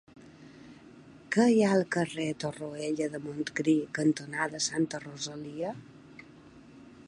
Què hi ha al carrer Torroella de Montgrí cantonada Santa Rosalia?